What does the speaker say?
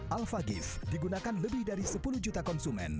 alphagif digunakan lebih dari sepuluh juta konsumen